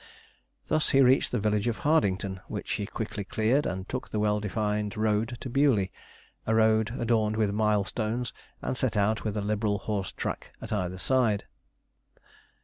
Thus he reached the village of Hardington, which he quickly cleared, and took the well defined road to Bewley a road adorned with milestones and set out with a liberal horse track at either side.